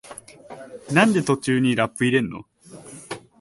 なんで途中にラップ入れんの？